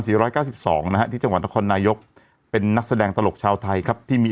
ร้อยเก้าสิบสองนะฮะที่จังหวัดนครนายกเป็นนักแสดงตลกชาวไทยครับที่มี